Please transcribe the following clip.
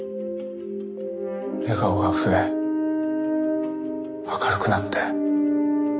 笑顔が増え明るくなって。